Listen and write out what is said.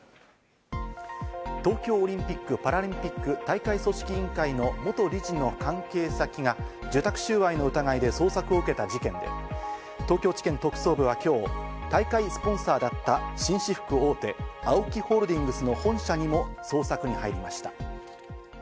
東京オリンピック・パラリンピック大会組織委員会の元理事の関係先が受託収賄の疑いで捜索を受けた事件で東京地検特捜部は今日、大会スポンサーだった紳士服大手・ＡＯＫＩホールディングスの本社にも捜索に入りました。